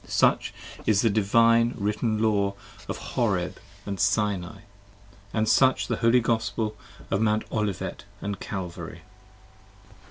Such is the Divine Written Law of Horeb & Sinai : 69 And such the Holy Gospel of Mount Olivet & Calvary.